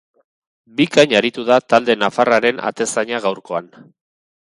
Bikain aritu da talde nafarraren atezaina gaurkoan.